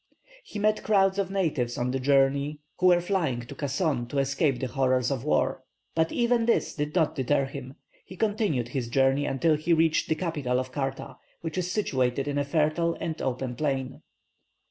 He met crowds of natives on the journey who were flying to Kasson to escape the horrors of war. But even this did not deter him; he continued his journey until he reached the capital of Kaarta, which is situated in a fertile and open plain.